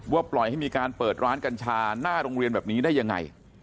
ปล่อยให้มีการเปิดร้านกัญชาหน้าโรงเรียนแบบนี้ได้ยังไง